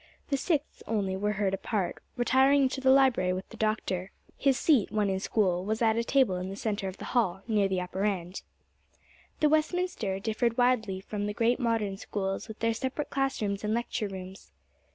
The Sixth only were heard apart, retiring into the library with the Doctor. His seat, when in school, was at a table in the centre of the hall, near the upper end. Thus Westminster differed widely from the great modern schools, with their separate class rooms and lecture rooms.